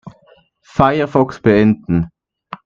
Firefox beenden.